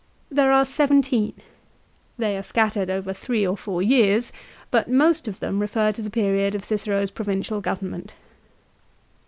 There are seventeen. They are scattered over three or four years, but most of them refer to the period of Cicero's provincial government.